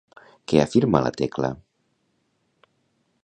Què afirma la Tecla?